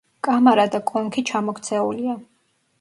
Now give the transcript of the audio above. კამარა და კონქი ჩამოქცეულია.